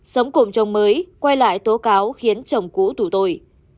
sống cùng chồng mới quay lại tố cáo khiến chồng cũ tủ tội